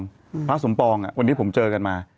พระอาจารย์สมปองวันนี้ผมเจอกันมา